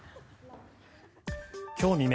今日未明